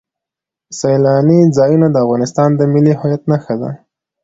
سیلانی ځایونه د افغانستان د ملي هویت نښه ده.